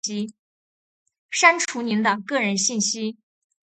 删除您的个人信息；